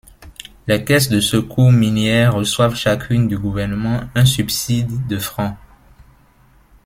Les caisses de secours minières reçoivent chacune du gouvernement un subside de francs.